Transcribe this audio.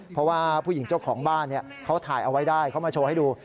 เพราะว่าผู้หญิงเจ้าของบ้านเขาถ่ายเอาไว้ได้เขามาโชว์ให้ดู